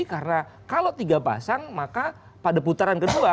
karena kalau tiga pasang maka pada putaran kedua